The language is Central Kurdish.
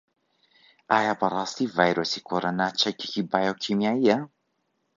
ئایا بەڕاستی ڤایرۆسی کۆرۆنا چەکێکی بایۆکیمیایییە؟